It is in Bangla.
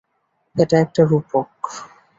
এটা একটা রূপক।